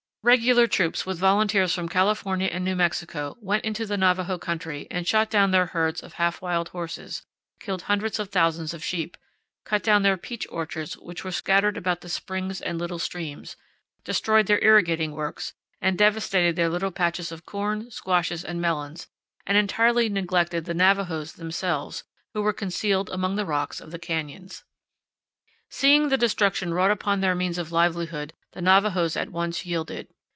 Regular troops with volunteers from California and New Mexico went into the Navajo country and shot down their herds of half wild horses, 52 CANYONS OF THE COLORADO. killed hundreds of thousands of sheep, cut down their peach orchards which were scattered about the springs and little streams, destroyed their irrigating works, and devastated their little patches of corn, squashes, and melons; and entirely neglected the Navajos themselves, who were concealed among the rocks of the canyons. Seeing the destruction wrought upon their means of livelihood, the Navajos at once yielded.